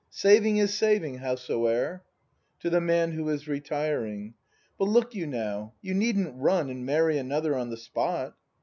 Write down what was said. Saving is saving, howsoe'er. [To the Man, who is retiring.] But look you, now, you needn't run And marry another on the spot!